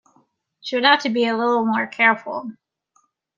She would have to be a little more careful.